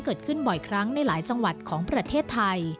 เกิดขึ้นบ่อยครั้งในหลายจังหวัดของประเทศไทย